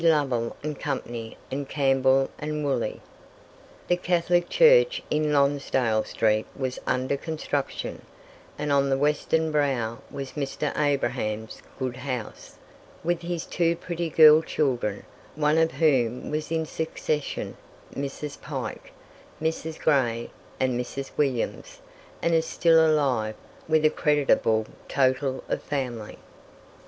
Lovell and Company and Campbell and Woolley. The Catholic Church in Lonsdale street was under construction, and on the western brow was Mr. Abrahams's good house, with his two pretty girl children, one of whom was in succession Mrs. Pike, Mrs. Gray, and Mrs. Williams, and is still alive, with a creditable total of family.